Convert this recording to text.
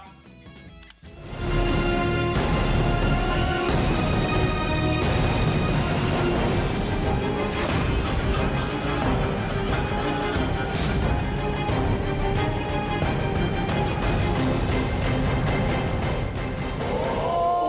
โธ่